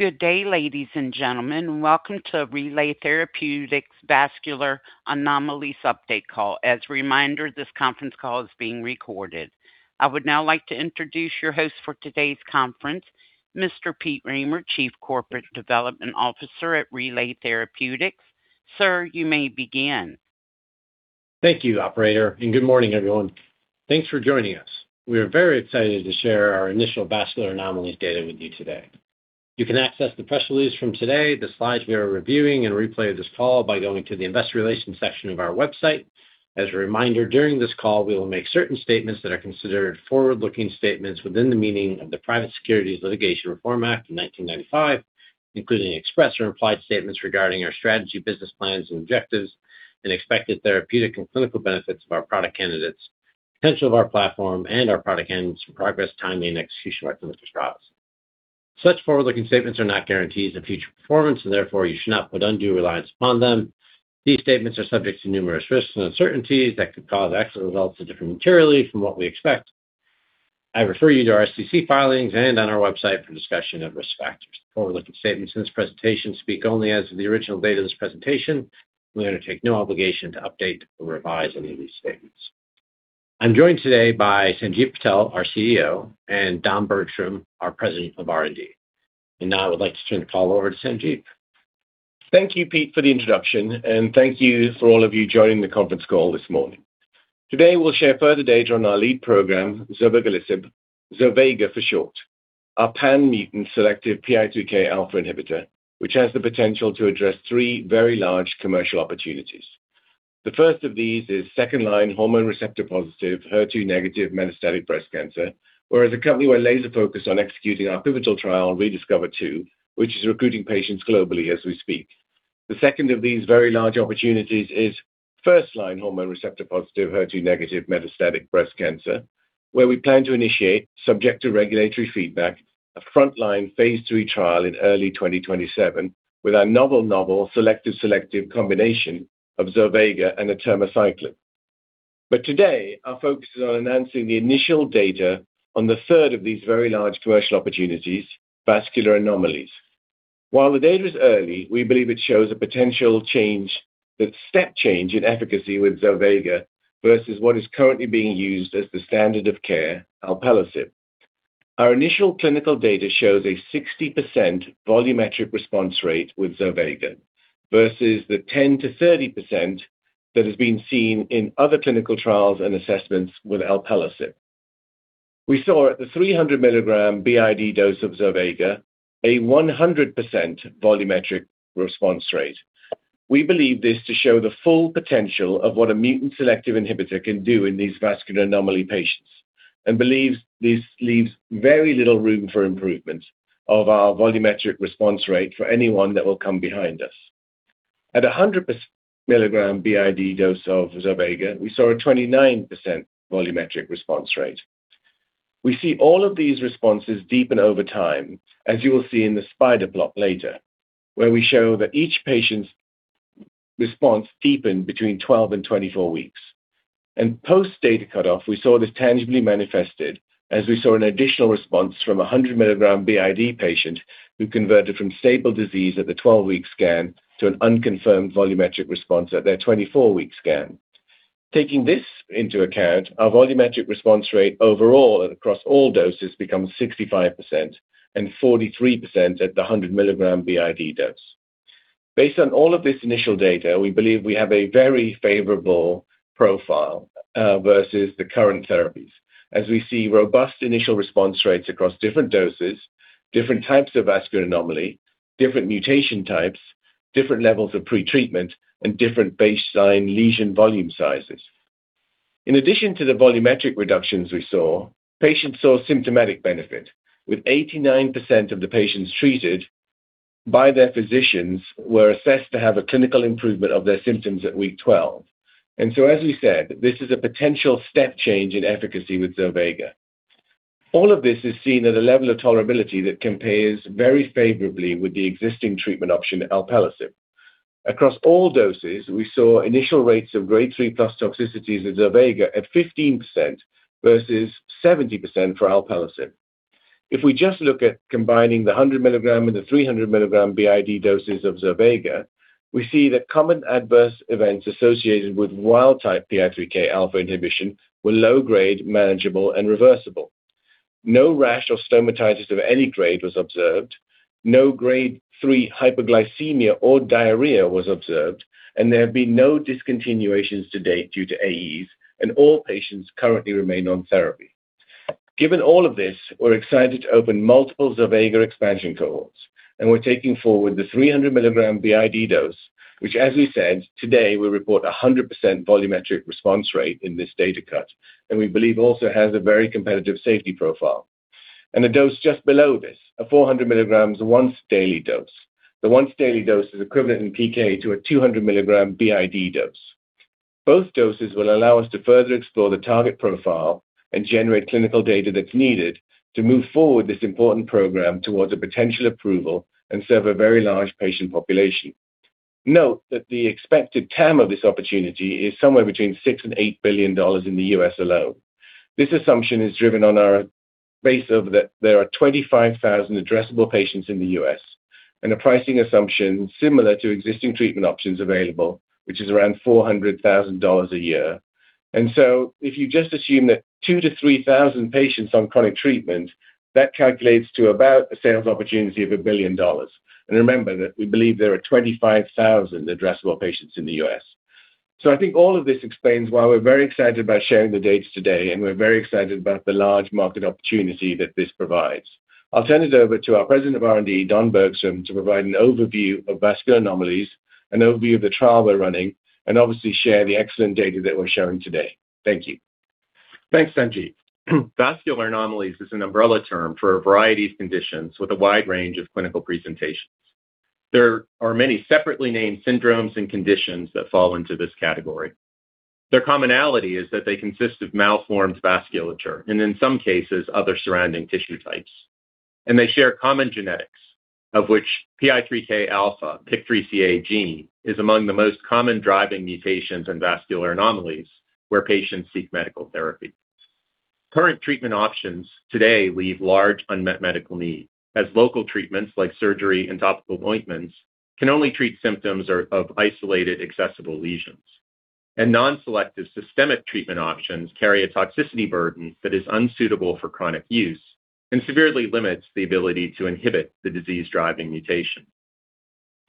Good day, ladies and gentlemen. Welcome to Relay Therapeutics Vascular Anomalies Update Call. As a reminder, this conference call is being recorded. I would now like to introduce your host for today's conference, Mr. Pete Rahmer, Chief Corporate Development Officer at Relay Therapeutics. Sir, you may begin. Thank you, Operator. Good morning, everyone. Thanks for joining us. We are very excited to share our initial vascular anomalies data with you today. You can access the press release from today, the slides we are reviewing, and a replay of this call by going to the investor relations section of our website. As a reminder, during this call, we will make certain statements that are considered forward-looking statements within the meaning of the Private Securities Litigation Reform Act of 1995, including express or implied statements regarding our strategy, business plans and objectives and expected therapeutic and clinical benefits of our product candidates, potential of our platform and our product candidates for progress, timing and execution of our clinical trials. Such forward-looking statements are not guarantees of future performance. Therefore, you should not put undue reliance upon them. These statements are subject to numerous risks and uncertainties that could cause actual results to differ materially from what we expect. I refer you to our SEC filings and on our website for discussion of risk factors. Forward-looking statements in this presentation speak only as of the original date of this presentation. We undertake no obligation to update or revise any of these statements. I'm joined today by Sanjiv Patel, our CEO, and Don Bergstrom, our President of R&D. Now I would like to turn the call over to Sanjiv. Thank you, Pete, for the introduction. Thank you for all of you joining the conference call this morning. Today, we'll share further data on our lead program, zovegalisib, zovega, for short, our pan-mutant selective PI3Kα inhibitor, which has the potential to address three very large commercial opportunities. The first of these is second-line hormone receptor-positive, HER2-negative metastatic breast cancer, where as a company, we're laser-focused on executing our pivotal trial, ReDiscover-2, which is recruiting patients globally as we speak. The second of these very large opportunities is first-line hormone receptor-positive, HER2-negative metastatic breast cancer, where we plan to initiate, subject to regulatory feedback, a frontline phase III trial in early 2027 with our novel selective combination of zovegalisib and atirmociclib. Today, our focus is on announcing the initial data on the third of these very large commercial opportunities, vascular anomalies. While the data is early, we believe it shows the step change in efficacy with zovegalisib versus what is currently being used as the standard of care, alpelisib. Our initial clinical data shows a 60% volumetric response rate with zovegalisib versus the 10%-30% that has been seen in other clinical trials and assessments with alpelisib. We saw at the 300 mg BID dose of zovegalisib a 100% volumetric response rate. We believe this to show the full potential of what a mutant selective inhibitor can do in these vascular anomaly patients and believe this leaves very little room for improvement of our volumetric response rate for anyone that will come behind us. At a 100 mg BID dose of zovegalisib, we saw a 29% volumetric response rate. We see all of these responses deepen over time, as you will see in the spider plot later, where we show that each patient's response deepened between 12 and 24 weeks. Post-data cutoff, we saw this tangibly manifested as we saw an additional response from a 100 mg BID patient who converted from stable disease at the 12-week scan to an unconfirmed volumetric response at their 24-week scan. Taking this into account, our volumetric response rate overall across all doses becomes 65% and 43% at the 100 mg BID dose. Based on all of this initial data, we believe we have a very favorable profile versus the current therapies. We see robust initial response rates across different doses, different types of vascular anomaly, different mutation types, different levels of pretreatment, and different baseline lesion volume sizes. In addition to the volumetric reductions we saw, patients saw symptomatic benefit, with 89% of the patients treated by their physicians were assessed to have a clinical improvement of their symptoms at week 12. As we said, this is a potential step change in efficacy with zovegalisib. All of this is seen at a level of tolerability that compares very favorably with the existing treatment option, alpelisib. Across all doses, we saw initial rates of Grade 3+ toxicities of zovegalisib at 15% versus 70% for alpelisib. If we just look at combining the 100 mg and the 300 mg BID doses of zovegalisib, we see that common adverse events associated with wild-type PI3Kα inhibition were low grade, manageable, and reversible. No rash or stomatitis of any grade was observed. No Grade 3 hyperglycemia or diarrhea was observed, and there have been no discontinuations to date due to AEs, and all patients currently remain on therapy. Given all of this, we're excited to open multiple zovegalisib expansion cohorts, and we're taking forward the 300 mg BID dose. Which, as we said today, we report a 100% volumetric response rate in this data cut, and we believe also has a very competitive safety profile. A dose just below this, a 400 mg once daily dose. The once daily dose is equivalent in PK to a 200 mg BID dose. Both doses will allow us to further explore the target profile and generate clinical data that's needed to move forward this important program towards a potential approval and serve a very large patient population. Note that the expected TAM of this opportunity is somewhere between $6 billion-$8 billion in the U.S. alone. This assumption is driven on our base of that there are 25,000 addressable patients in the U.S. and a pricing assumption similar to existing treatment options available, which is around $400,000 a year. If you just assume that 2,000 patients-3,000 patients on chronic treatment, that calculates to about a sales opportunity of a billion dollars. Remember that we believe there are 25,000 addressable patients in the U.S. I think all of this explains why we're very excited about sharing the data today, and we're very excited about the large market opportunity that this provides. I'll turn it over to our President of R&D, Don Bergstrom, to provide an overview of vascular anomalies, an overview of the trial we're running, and obviously share the excellent data that we're sharing today. Thank you. Thanks, Sanjiv. Vascular anomalies is an umbrella term for a variety of conditions with a wide range of clinical presentations. There are many separately named syndromes and conditions that fall into this category. Their commonality is that they consist of malformed vasculature and in some cases other surrounding tissue types. They share common genetics, of which PI3Kα, PIK3CA gene, is among the most common driving mutations in vascular anomalies where patients seek medical therapy. Current treatment options today leave large unmet medical needs, as local treatments like surgery and topical ointments can only treat symptoms or of isolated accessible lesions. Non-selective systemic treatment options carry a toxicity burden that is unsuitable for chronic use and severely limits the ability to inhibit the disease-driving mutation.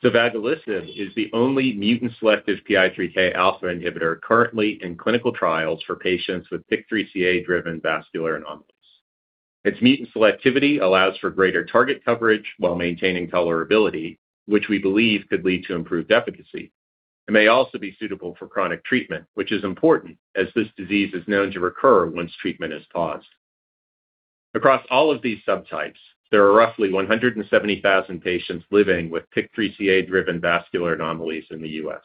zovegalisib is the only mutant-selective PI3Kα inhibitor currently in clinical trials for patients with PIK3CA-driven vascular anomalies. Its mutant selectivity allows for greater target coverage while maintaining tolerability, which we believe could lead to improved efficacy. It may also be suitable for chronic treatment, which is important as this disease is known to recur once treatment is paused. Across all of these subtypes, there are roughly 170,000 patients living with PIK3CA-driven vascular anomalies in the U.S.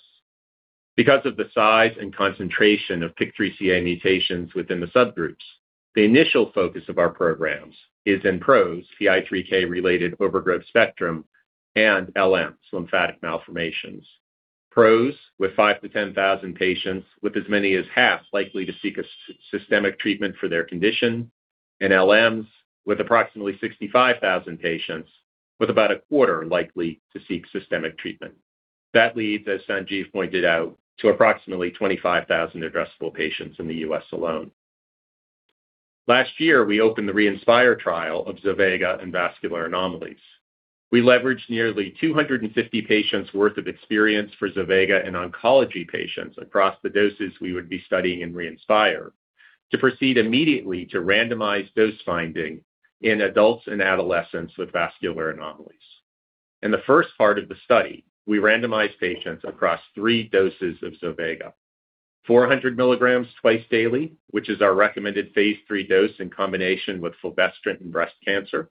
Because of the size and concentration of PIK3CA mutations within the subgroups, the initial focus of our programs is in PROS, PIK3CA-Related Overgrowth Spectrum, and LMs, Lymphatic Malformations. PROS, with 5,000 patients-10,000 patients, with as many as half likely to seek systemic treatment for their condition, and LMs, with approximately 65,000 patients, with about a quarter likely to seek systemic treatment. That leads, as Sanjiv pointed out, to approximately 25,000 addressable patients in the U.S. alone. Last year, we opened the ReInspire trial of zovegalisib and vascular anomalies. We leveraged nearly 250 patients' worth of experience for zovegalisib in oncology patients across the doses we would be studying in ReInspire to proceed immediately to randomize dose finding in adults and adolescents with vascular anomalies. In the first part of the study, we randomized patients across three doses of zovegalisib, 400 mg twice daily, which is our recommended phase III dose in combination with fulvestrant in breast cancer,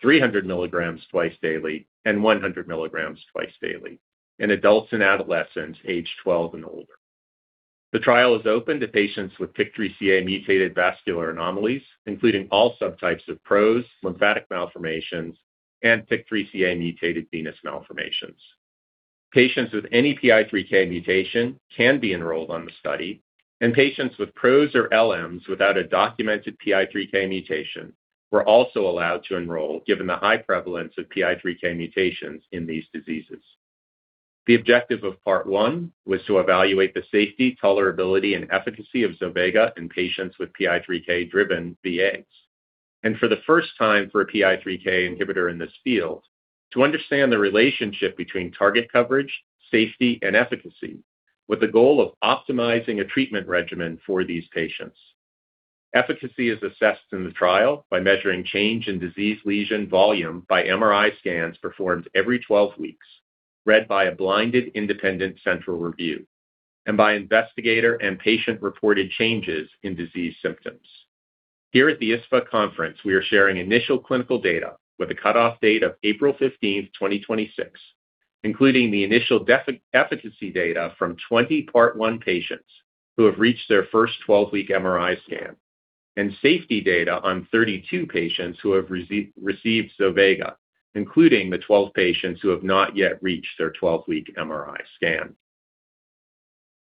300 mg twice daily, and 100 mg twice daily in adults and adolescents aged 12 and older. The trial is open to patients with PIK3CA mutated vascular anomalies, including all subtypes of PROS, lymphatic malformations, and PIK3CA mutated venous malformations. Patients with any PI3K mutation can be enrolled on the study. Patients with PROS or LMs without a documented PI3K mutation were also allowed to enroll given the high prevalence of PI3K mutations in these diseases. The objective of Part 1 was to evaluate the safety, tolerability, and efficacy of zovegalisib in patients with PI3K-driven VAs. For the first time for a PI3K inhibitor in this field, to understand the relationship between target coverage, safety, and efficacy, with the goal of optimizing a treatment regimen for these patients. Efficacy is assessed in the trial by measuring change in disease lesion volume by MRI scans performed every 12 weeks, read by a blinded independent central review, and by investigator and patient-reported changes in disease symptoms. Here at the ISSVA Conference, we are sharing initial clinical data with a cutoff date of April 15th, 2026, including the initial efficacy data from 20-Part 1 patients who have reached their first 12-week MRI scan, and safety data on 32 patients who have received zovegalisib, including the 12 patients who have not yet reached their 12-week MRI scan.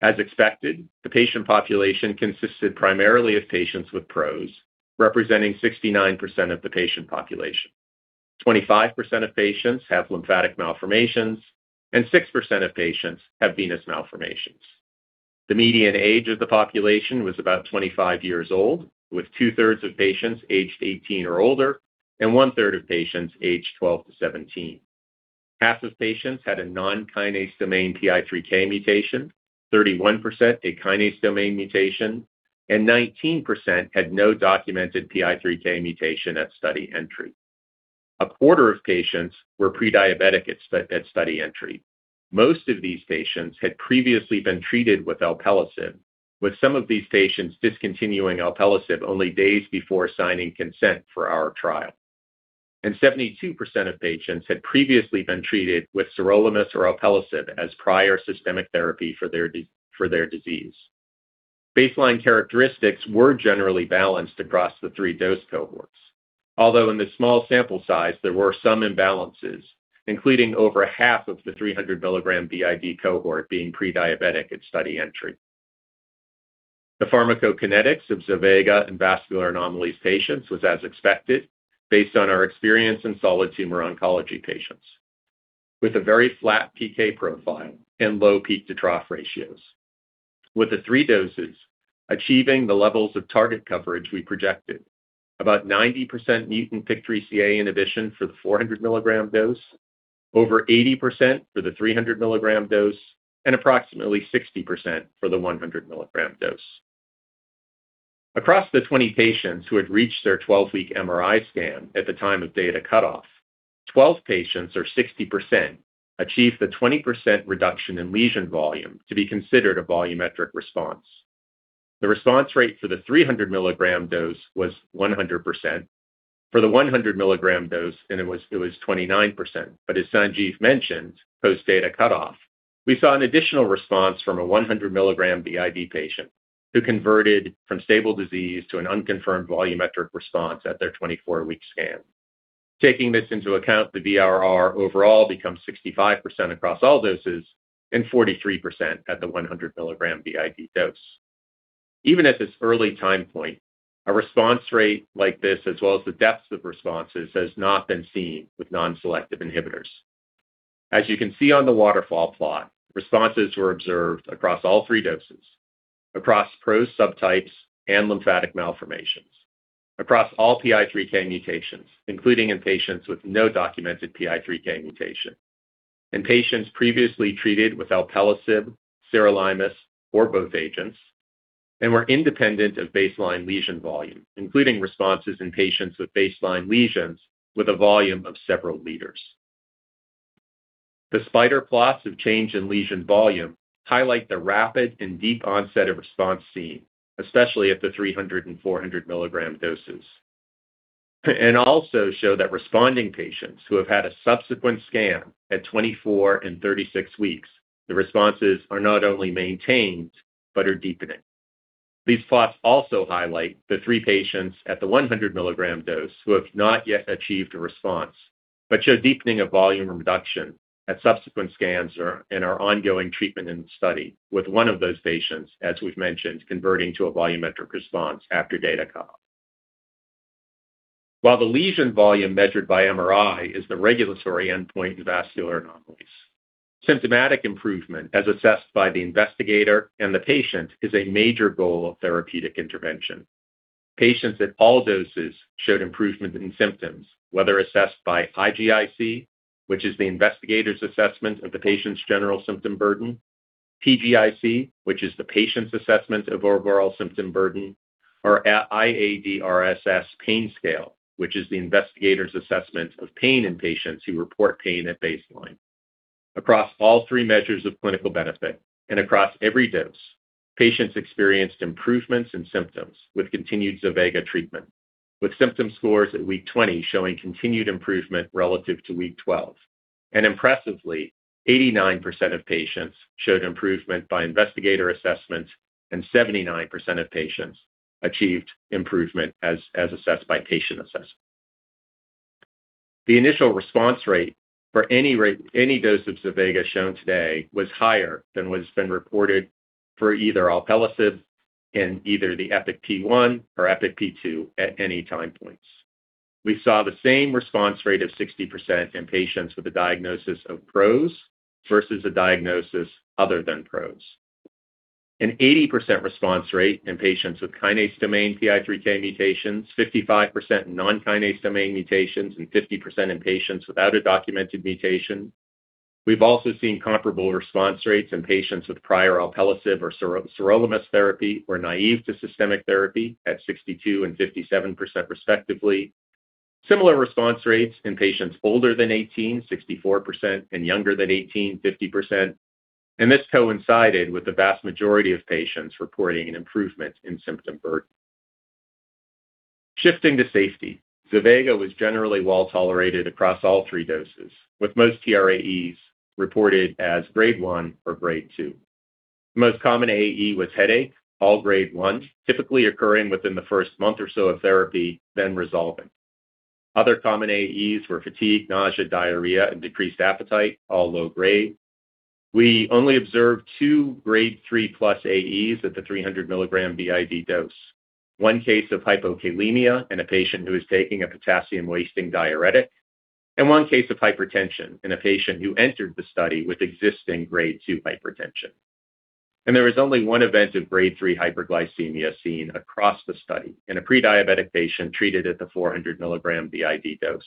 As expected, the patient population consisted primarily of patients with PROS, representing 69% of the patient population. 25% of patients have lymphatic malformations, and 6% of patients have venous malformations. The median age of the population was about 25 years old, with 2/3 of patients aged 18 or older and 1/3 of patients aged 12-17. Half of patients had a non-kinase domain PI3K mutation, 31% a kinase domain mutation, and 19% had no documented PI3K mutation at study entry. A quarter of patients were pre-diabetic at study entry. Most of these patients had previously been treated with alpelisib, with some of these patients discontinuing alpelisib only days before signing consent for our trial. 72% of patients had previously been treated with sirolimus or alpelisib as prior systemic therapy for their disease. Baseline characteristics were generally balanced across the three-dose cohorts. Although in the small sample size, there were some imbalances, including over half of the 300 mg BID cohort being pre-diabetic at study entry. The pharmacokinetics of zovegalisib in vascular anomalies patients was as expected based on our experience in solid tumor oncology patients with a very flat PK profile and low peak-to-trough ratios. With the three doses achieving the levels of target coverage we projected, about 90% mutant PIK3CA inhibition for the 400 mg dose, over 80% for the 300 mg dose, and approximately 60% for the 100 mg dose. Across the 20 patients who had reached their 12-week MRI scan at the time of data cutoff, 12 patients or 60% achieved the 20% reduction in lesion volume to be considered a volumetric response. The response rate for the 300 mg dose was 100%. For the 100 mg dose, it was 29%. As Sanjiv mentioned, post-data cutoff, we saw an additional response from a 100 mg BID patient who converted from stable disease to an unconfirmed volumetric response at their 24-week scan. Taking this into account, the VRR overall becomes 65% across all doses and 43% at the 100 mg BID dose. Even at this early time point, a response rate like this, as well as the depth of responses, has not been seen with non-selective inhibitors. As you can see on the waterfall plot, responses were observed across all three doses, across PROS subtypes and lymphatic malformations, across all PI3K mutations, including in patients with no documented PI3K mutation. In patients previously treated with alpelisib, sirolimus, or both agents, and were independent of baseline lesion volume, including responses in patients with baseline lesions with a volume of several liters. The spider plots of change in lesion volume highlight the rapid and deep onset of response seen, especially at the 300 mg and 400 mg doses, and also show that responding patients who have had a subsequent scan at 24 and 36 weeks, the responses are not only maintained but are deepening. These plots also highlight the three patients at the 100 mg dose who have not yet achieved a response but show deepening of volume reduction at subsequent scans or in our ongoing treatment in the study with one of those patients, as we've mentioned, converting to a volumetric response after data cutoff. While the lesion volume measured by MRI is the regulatory endpoint in vascular anomalies, symptomatic improvement, as assessed by the investigator and the patient, is a major goal of therapeutic intervention. Patients at all doses showed improvement in symptoms, whether assessed by IGIC, which is the investigator's assessment of the patient's general symptom burden, PGIC, which is the patient's assessment of overall symptom burden, or, iADRS pain scale, which is the investigator's assessment of pain in patients who report pain at baseline. Across all three measures of clinical benefit and across every dose, patients experienced improvements in symptoms with continued zovegalisib treatment, with symptom scores at week 20 showing continued improvement relative to week 12. Impressively, 89% of patients showed improvement by investigator assessment, and 79% of patients achieved improvement as assessed by patient assessment. The initial response rate for any dose of zovegalisib shown today was higher than what has been reported for either alpelisib in either the EPIK-P1 or EPIK-P2 at any time points. We saw the same response rate of 60% in patients with a diagnosis of PROS versus a diagnosis other than PROS. 80% response rate in patients with kinase domain PI3K mutations, 55% in non-kinase domain mutations, and 50% in patients without a documented mutation. We've also seen comparable response rates in patients with prior alpelisib or sirolimus therapy or naïve to systemic therapy at 62% and 57% respectively. Similar response rates in patients older than 18, 64%, and younger than 18, 50%. This coincided with the vast majority of patients reporting an improvement in symptom burden. Shifting to safety, zovegalisib was generally well-tolerated across all three doses, with most TRAEs reported as Grade 1 or Grade 2. The most common AE was headache, all Grade 1, typically occurring within the first month or so of therapy, resolving. Other common AEs were fatigue, nausea, diarrhea, and decreased appetite, all low-grade. We only observed two Grade 3 + AEs at the 300 mg BID dose, one case of hypokalemia in a patient who was taking a potassium-wasting diuretic, and one case of hypertension in a patient who entered the study with existing Grade 2 hypertension. There was only one event of Grade 3 hyperglycemia seen across the study in a pre-diabetic patient treated at the 400 mg BID dose.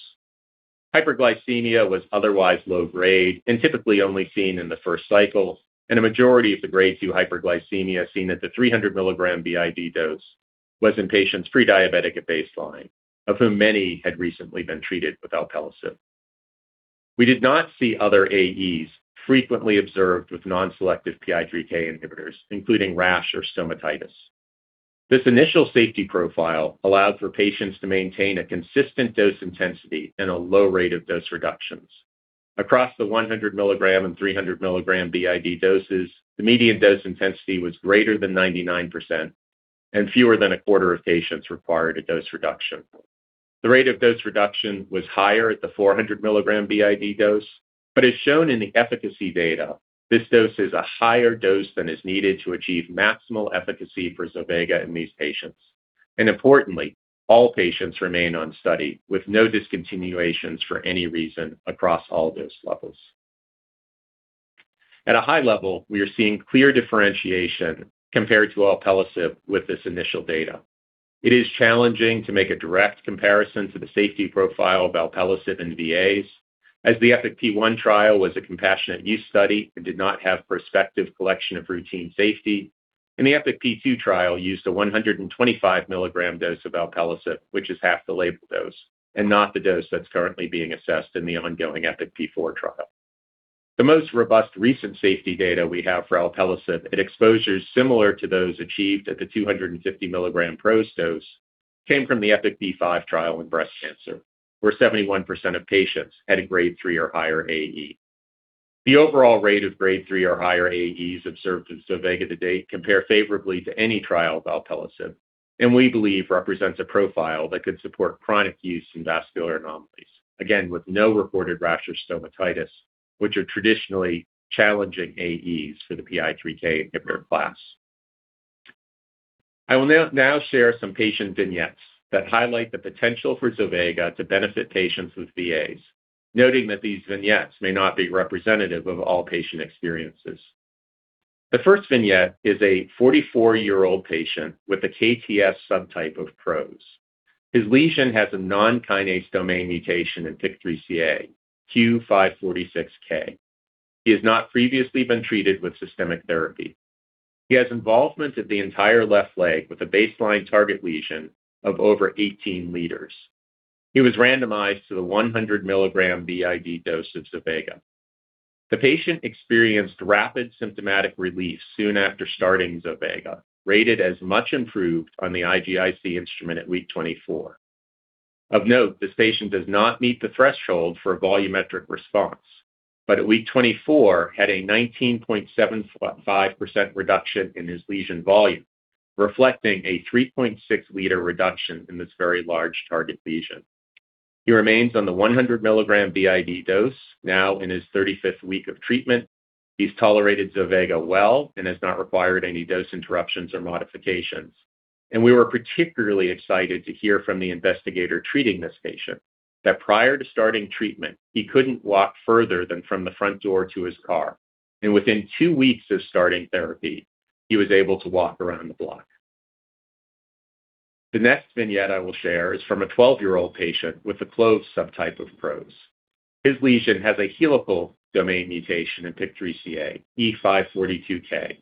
Hyperglycemia was otherwise low-grade and typically only seen in the first cycle, and a majority of the Grade 2 hyperglycemia seen at the 300 mg BID dose was in patients pre-diabetic at baseline, of whom many had recently been treated with alpelisib. We did not see other AEs frequently observed with non-selective PI3K inhibitors, including rash or stomatitis. This initial safety profile allows for patients to maintain a consistent dose intensity and a low rate of dose reductions. Across the 100 mg and 300 mg BID doses, the median dose intensity was greater than 99% and fewer than a quarter of patients required a dose reduction. The rate of dose reduction was higher at the 400 mg BID dose. As shown in the efficacy data, this dose is a higher dose than is needed to achieve maximal efficacy for zovegalisib in these patients. Importantly, all patients remain on study with no discontinuations for any reason across all dose levels. At a high level, we are seeing clear differentiation compared to alpelisib with this initial data. It is challenging to make a direct comparison to the safety profile of alpelisib in VAs as the EPIK-P1 trial was a compassionate use study and did not have prospective collection of routine safety. The EPIK-P2 trial used a 125 mg dose of alpelisib, which is half the label dose and not the dose that's currently being assessed in the ongoing EPIK-P4 trial. The most robust recent safety data we have for alpelisib at exposures similar to those achieved at the 250 mg PROS dose came from the EPIK-B5 trial in breast cancer, where 71% of patients had a Grade 3 or higher AE. The overall rate of Grade 3 or higher AEs observed with zovegalisib to date compare favorably to any trial of alpelisib, and we believe represents a profile that could support chronic use in vascular anomalies. With no reported rash or stomatitis, which are traditionally challenging AEs for the PI3K inhibitor class. I will now share some patient vignettes that highlight the potential for zovegalisib to benefit patients with VAs, noting that these vignettes may not be representative of all patient experiences. The first vignette is a 44-year-old patient with a KTS subtype of PROS. His lesion has a non-kinase domain mutation in PIK3CA Q546K. He has not previously been treated with systemic therapy. He has involvement of the entire left leg with a baseline target lesion of over 18 L. He was randomized to the 100 mg BID dose of zovegalisib. The patient experienced rapid symptomatic relief soon after starting zovegalisib, rated as much improved on the IGIC instrument at week 24. Of note, this patient does not meet the threshold for a volumetric response, but at week 24 had a 19.75% reduction in his lesion volume, reflecting a 3.6 L reduction in this very large target lesion. He remains on the 100 mg BID dose, now in his 35th week of treatment. He has tolerated zovegalisib well and has not required any dose interruptions or modifications. We were particularly excited to hear from the investigator treating this patient that prior to starting treatment, he couldn't walk further than from the front door to his car. Within two weeks of starting therapy, he was able to walk around the block. The next vignette I will share is from a 12-year-old patient with a CLOVES subtype of PROS. His lesion has a helical domain mutation in PIK3CA E542K.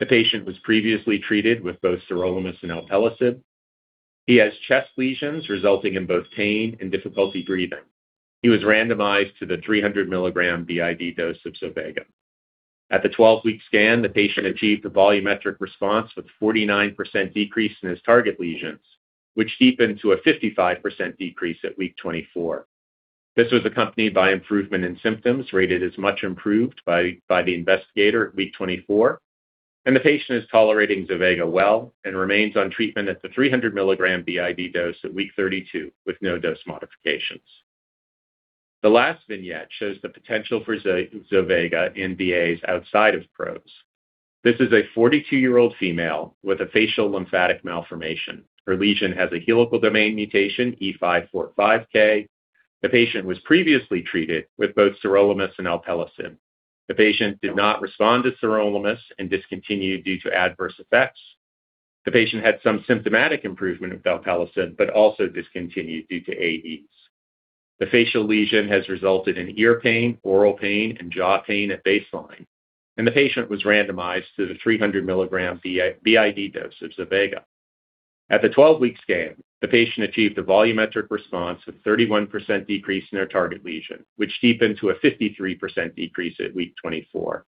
The patient was previously treated with both sirolimus and alpelisib. He has chest lesions resulting in both pain and difficulty breathing. He was randomized to the 300 mg BID dose of zovegalisib. At the 12-week scan, the patient achieved a volumetric response with 49% decrease in his target lesions, which deepened to a 55% decrease at week 24. This was accompanied by improvement in symptoms rated as much improved by the investigator at week 24. The patient is tolerating zovegalisib well and remains on treatment at the 300 mg BID dose at week 32 with no dose modifications. The last vignette shows the potential for zovegalisib in VAs outside of PROS. This is a 42-year-old female with a facial lymphatic malformation. Her lesion has a helical domain mutation, E545K. The patient was previously treated with both sirolimus and alpelisib. The patient did not respond to sirolimus and discontinued due to adverse effects. The patient had some symptomatic improvement with alpelisib, but also discontinued due to AEs. The facial lesion has resulted in ear pain, oral pain, and jaw pain at baseline, and the patient was randomized to the 300 mg BID dose of zovegalisib. At the 12-week scan, the patient achieved a volumetric response with 31% decrease in their target lesion, which deepened to a 53% decrease at week 24.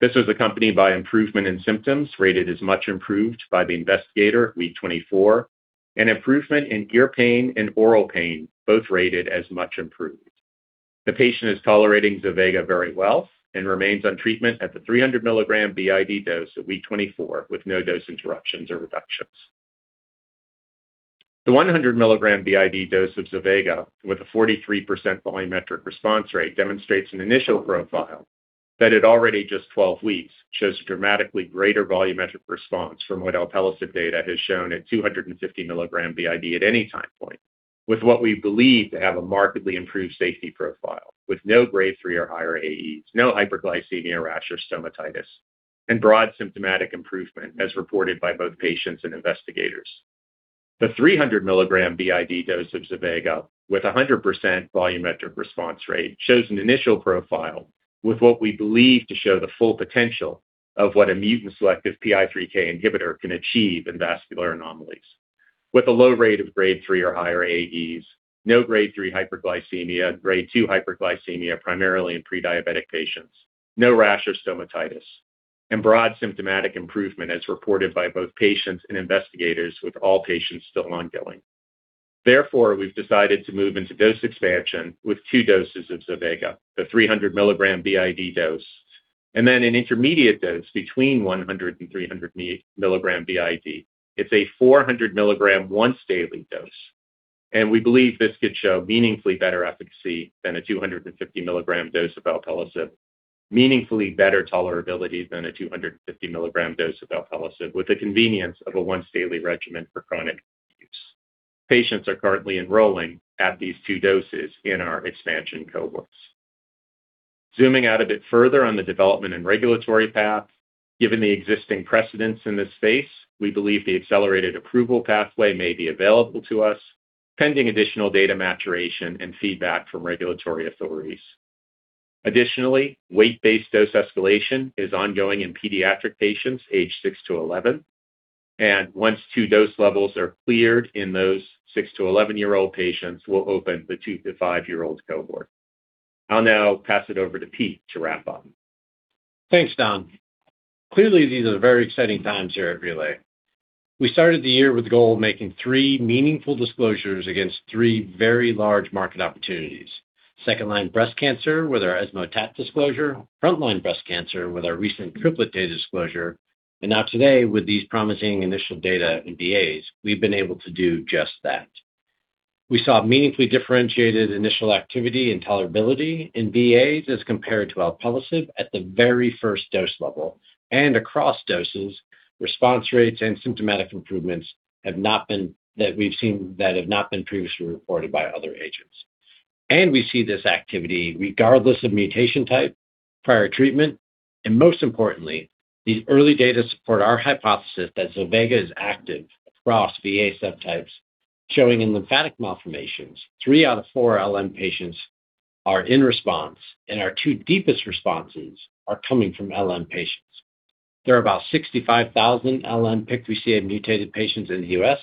This was accompanied by improvement in symptoms rated as much improved by the investigator at week 24, and improvement in ear pain and oral pain, both rated as much improved. The patient is tolerating zovegalisib very well and remains on treatment at the 300 mg BID dose at week 24 with no dose interruptions or reductions. The 100 mg BID dose of zovegalisib with a 43% volumetric response rate demonstrates an initial profile that at already just 12 weeks shows a dramatically greater volumetric response from what alpelisib data has shown at 250 mg BID at any time point, with what we believe to have a markedly improved safety profile with no Grade 3 or higher AEs, no hyperglycemia, rash, or stomatitis, and broad symptomatic improvement as reported by both patients and investigators. The 300 mg BID dose of zovegalisib with a 100% volumetric response rate shows an initial profile with what we believe to show the full potential of what a mutant-selective PI3K inhibitor can achieve in vascular anomalies. With a low rate of Grade 3 or higher AEs, no Grade 3 hyperglycemia, Grade 2 hyperglycemia primarily in pre-diabetic patients, no rash or stomatitis, and broad symptomatic improvement as reported by both patients and investigators with all patients still ongoing. We've decided to move into dose expansion with two doses of zovegalisib, the 300 mg BID dose, and then an intermediate dose between 100 mg-300 mg BID. It's a 400 mg once daily dose. We believe this could show meaningfully better efficacy than a 250 mg dose of alpelisib, meaningfully better tolerability than a 250 mg dose of alpelisib, with the convenience of a once daily regimen for chronic use. Patients are currently enrolling at these two doses in our expansion cohorts. Zooming out a bit further on the development and regulatory path, given the existing precedents in this space, we believe the accelerated approval pathway may be available to us, pending additional data maturation and feedback from regulatory authorities. Additionally, weight-based dose escalation is ongoing in pediatric patients aged 6-11. Once two dose levels are cleared in those 6-11-year-old patients, we'll open the 2-5-year-olds cohort. I'll now pass it over to Pete to wrap up. Thanks, Don. Clearly, these are very exciting times here at Relay. We started the year with the goal of making three meaningful disclosures against three very large market opportunities. Second-line breast cancer with our ESMO TAT disclosure, front-line breast cancer with our recent triplet data disclosure, now today with these promising initial data in VAs, we've been able to do just that. We saw meaningfully differentiated initial activity and tolerability in VAs as compared to alpelisib at the very first dose level. Across doses, response rates and symptomatic improvements that we've seen that have not been previously reported by other agents. We see this activity regardless of mutation type, prior treatment, and most importantly, the early data support our hypothesis that zovegalisib is active across VA subtypes, showing in lymphatic malformations three out of four LM patients are in response, and our two deepest responses are coming from LM patients. There are about 65,000 LM PIK3CA mutated patients in the U.S.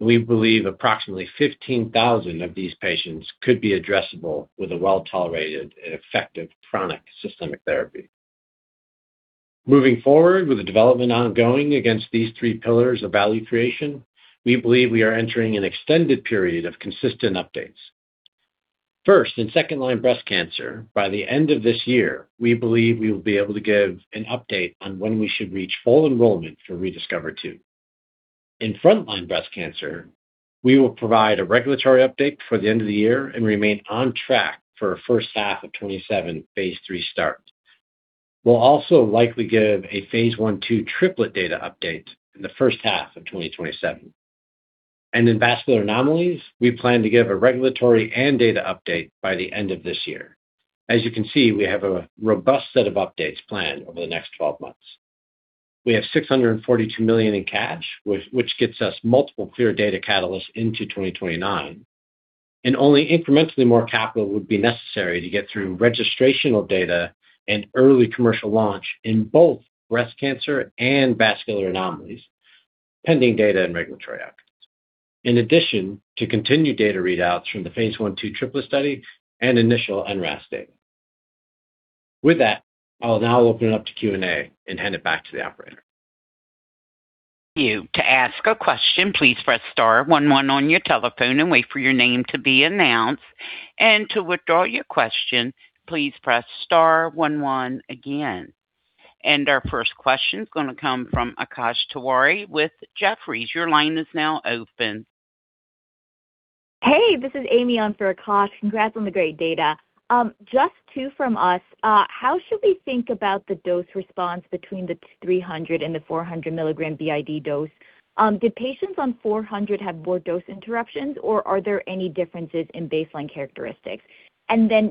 We believe approximately 15,000 of these patients could be addressable with a well-tolerated and effective chronic systemic therapy. Moving forward with the development ongoing against these three pillars of value creation, we believe we are entering an extended period of consistent updates. First, in second-line breast cancer, by the end of this year, we believe we will be able to give an update on when we should reach full enrollment for ReDiscover-2. In front-line breast cancer, we will provide a regulatory update for the end of the year and remain on track for a first half of 2027 phase III start. We'll also likely give a phase I-phase II triplet data update in the first half of 2027. In vascular anomalies, we plan to give a regulatory and data update by the end of this year. As you can see, we have a robust set of updates planned over the next 12 months. We have $642 million in cash, which gets us multiple clear data catalysts into 2029, only incrementally more capital would be necessary to get through registrational data and early commercial launch in both breast cancer and vascular anomalies, pending data and regulatory actions. In addition to continued data readouts from the phase I-phase II triplet study and initial unwrap data. With that, I'll now open it up to Q&A and hand it back to the Operator. To ask a question, please press star one one on your telephone and wait for your name to be announced. To withdraw your question, please press star one one again. Our first question is going to come from Akash Tewari with Jefferies. Your line is now open. Hey, this is [Amy] on for Akash. Congrats on the great data. Just two from us. How should we think about the dose response between the 300 mg and the 400 mg BID dose? Did patients on 400 mg have more dose interruptions, or are there any differences in baseline characteristics?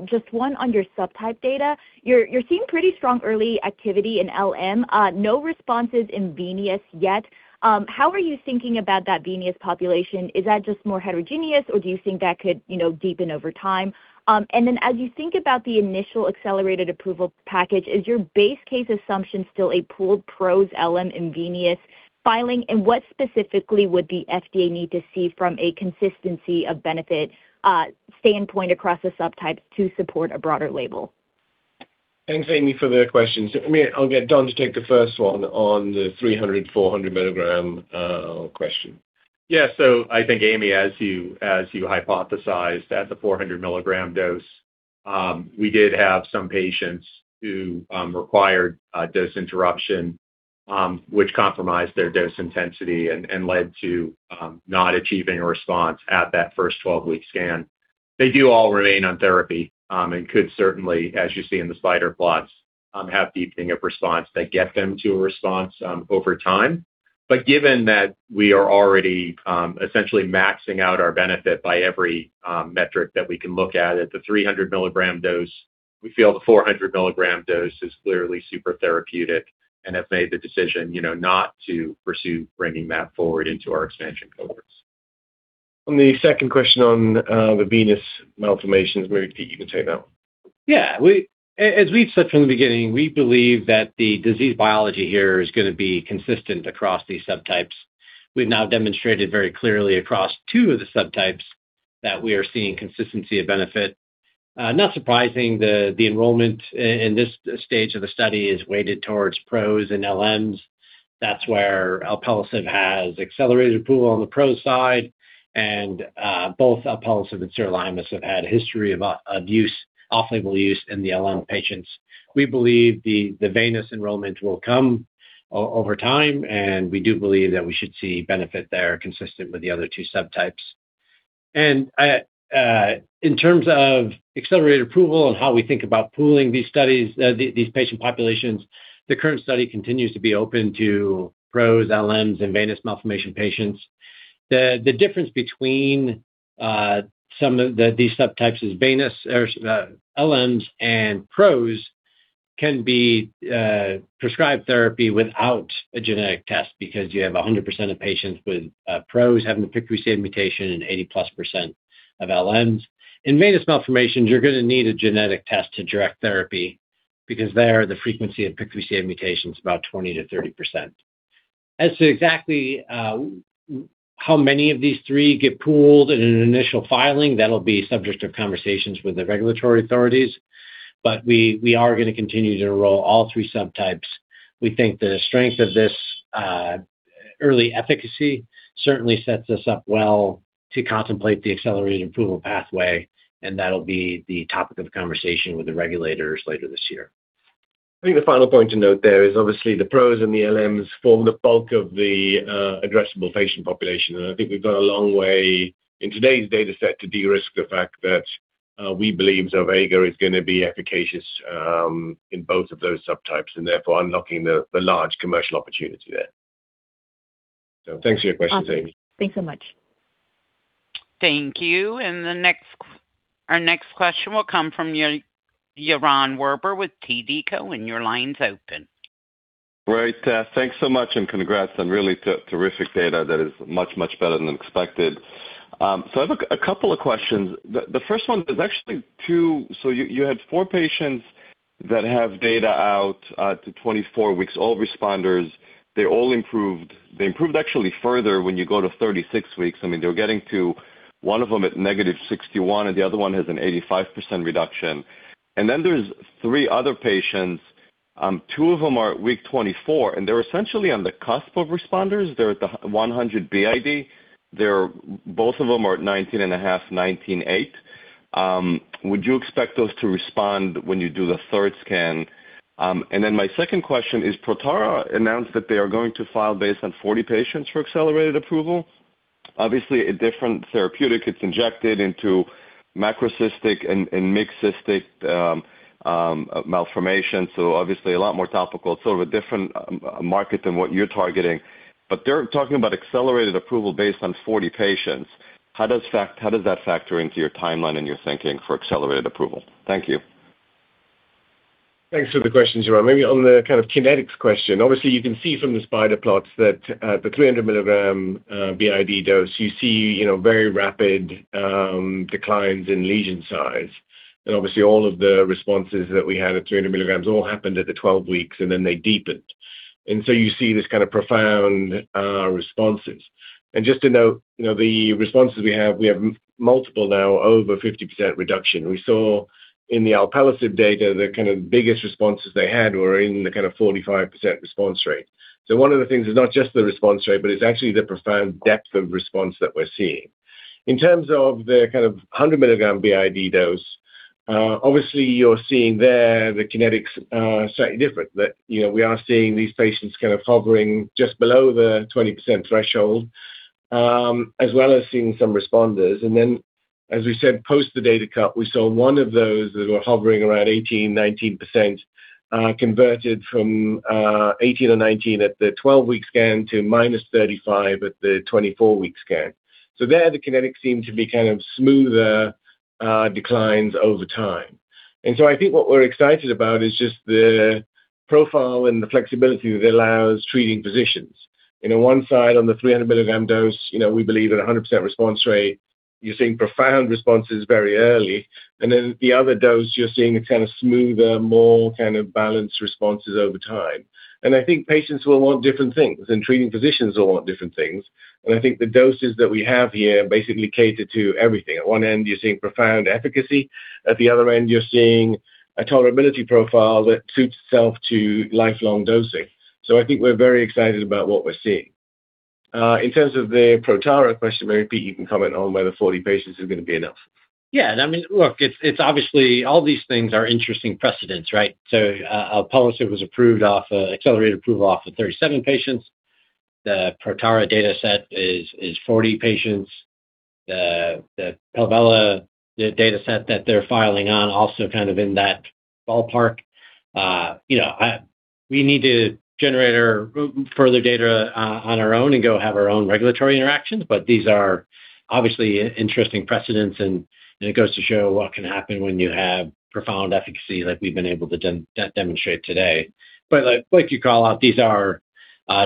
Just one on your subtype data. You're seeing pretty strong early activity in LMs, no responses in venous yet. How are you thinking about that venous population? Is that just more heterogeneous, or do you think that could, you know, deepen over time? As you think about the initial accelerated approval package, is your base case assumption still a pooled PROS LMs in venous filing? What specifically would the FDA need to see from a consistency of benefit, standpoint across the subtypes to support a broader label? Thanks, Amy, for the questions. I'll get Don to take the first one on the 300 mg, 400 mg question. I think, Amy, as you, as you hypothesized, at the 400 mg dose, we did have some patients who required dose interruption, which compromised their dose intensity and led to not achieving a response at that first 12-week scan. They do all remain on therapy, and could certainly, as you see in the spider plots, have deepening of response that get them to a response over time. Given that we are already essentially maxing out our benefit by every metric that we can look at at the 300 mg dose, we feel the 400 mg dose is clearly supratherapeutic and have made the decision not to pursue bringing that forward into our expansion cohorts. On the second question on the venous malformations, maybe Pete you can take that one. Yeah. As we've said from the beginning, we believe that the disease biology here is gonna be consistent across these subtypes. We've now demonstrated very clearly across two of the subtypes that we are seeing consistency of benefit. Not surprising, the enrollment in this stage of the study is weighted towards PROS and LMs. That's where alpelisib has accelerated approval on the PROS side, and both alpelisib and sirolimus have had a history of use, off-label use in the LM patients. We believe the venous enrollment will come over time, and we do believe that we should see benefit there consistent with the other two subtypes. In terms of accelerated approval and how we think about pooling these studies, these patient populations, the current study continues to be open to PROS, LMs, and venous malformation patients. The difference between some of these subtypes is venous or LMs and PROS can be prescribed therapy without a genetic test because you have 100% of patients with PROS having a PIK3CA mutation and 80%+ of LMs. In venous malformations, you're gonna need a genetic test to direct therapy because there, the frequency of PIK3CA mutation's about 20%-30%. As to exactly how many of these three get pooled in an initial filing, that'll be subject of conversations with the regulatory authorities, but we are gonna continue to enroll all three subtypes. We think the strength of this early efficacy certainly sets us up well to contemplate the accelerated approval pathway, and that'll be the topic of conversation with the regulators later this year. I think the final point to note there is obviously the PROS and the LMs form the bulk of the addressable patient population, and I think we've gone a long way in today's dataset to de-risk the fact that we believe zovegalisib is gonna be efficacious in both of those subtypes and therefore unlocking the large commercial opportunity there. Thanks for your question, Amy. Awesome. Thanks so much. Thank you. The next question will come from Yaron Werber with TD Cowen, and your line's open. Great. Thanks so much and congrats on really terrific data that is much, much better than expected. I have a couple of questions. The first one is actually two. You had four patients that have data out to 24 weeks, all responders. They all improved. They improved actually further when you go to 36 weeks. I mean, they're getting to one of them at -61% and the other one has an 85% reduction. There's three other patients, two of them are at week 24, and they're essentially on the cusp of responders. They're at the 100 mg BID. Both of them are at 19.5, 19.8. Would you expect those to respond when you do the third scan? My second question is Protara announced that they are going to file based on 40 patients for accelerated approval. Obviously, a different therapeutic. It's injected into macrocystic and mixed cystic malformation, so obviously a lot more topical. It's sort of a different market than what you're targeting. They're talking about accelerated approval based on 40 patients. How does that factor into your timeline and your thinking for accelerated approval? Thank you. Thanks for the question, Yaron. Maybe on the kind of kinetics question, obviously you can see from the spider plots that the 300 mg BID dose, you see, you know, very rapid declines in lesion size. Obviously all of the responses that we had at 300 mg all happened at the 12 weeks, and then they deepened. You see this kind of profound responses. Just to note, you know, the responses we have, we have multiple now over 50% reduction. We saw in the alpelisib data, the kind of biggest responses they had were in the kind of 45% response rate. One of the things is not just the response rate, but it's actually the profound depth of response that we're seeing. In terms of the kind of 100 mg BID dose, obviously you're seeing there the kinetics are slightly different. You know, we are seeing these patients kind of hovering just below the 20% threshold, as well as seeing some responders. As we said, post the data cut, we saw one of those that were hovering around 18%-19%, converted from 18% or 19% at the 12-week scan to -35% at the 24-week scan. There, the kinetics seem to be kind of smoother, declines over time. I think what we're excited about is just the profile and the flexibility that allows treating physicians. You know, one side on the 300 mg dose, you know, we believe at a 100% response rate, you're seeing profound responses very early. The other dose, you're seeing a kind of smoother, more kind of balanced responses over time. I think patients will want different things and treating physicians will want different things. I think the doses that we have here basically cater to everything. At one end, you're seeing profound efficacy. At the other end, you're seeing a tolerability profile that suits itself to lifelong dosing. I think we're very excited about what we're seeing. In terms of the Protara question, maybe Pete you can comment on whether 40 patients is gonna be enough. I mean, look, it's obviously all these things are interesting precedents, right? alpelisib was approved off accelerated approval off of 37 patients. The Protara dataset is 40 patients. The Palvella, the dataset that they're filing on also kind of in that ballpark. You know, We need to generate our further data on our own and go have our own regulatory interactions, but these are obviously interesting precedents, and it goes to show what can happen when you have profound efficacy like we've been able to demonstrate today. Like you call out, these are